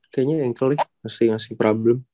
kayaknya yang kali masih ngasih problem